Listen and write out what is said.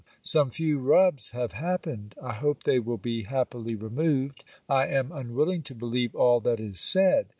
Some few rubs have happened. I hope they will be happily removed, I am unwilling to believe all that is said.